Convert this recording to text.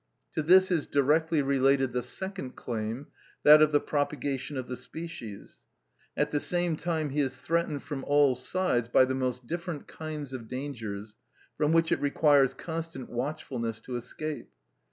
To this is directly related the second claim, that of the propagation of the species. At the same time he is threatened from all sides by the most different kinds of dangers, from which it requires constant watchfulness to escape.